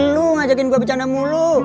lu ngajakin gue bercanda mulu